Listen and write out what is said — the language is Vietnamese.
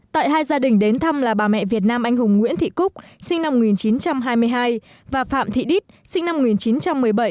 tại hai gia đình đến thăm là bà mẹ việt nam anh hùng nguyễn thị cúc sinh năm một nghìn chín trăm hai mươi hai và phạm thị đít sinh năm một nghìn chín trăm một mươi bảy